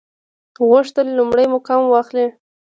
غوښتل لومړی مقام واخلي.